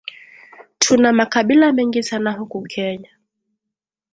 Tuna makabila mengi sana huku Kenya